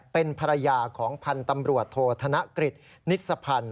เป็นภรรยาของพันธ์ตำรวจโทษธนกฤษนิสพันธ์